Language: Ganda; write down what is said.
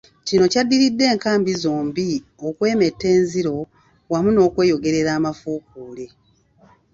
Kino kyaddiridde enkambi zombi okwemetta enziro wamu n'okweyogerera amafuukule.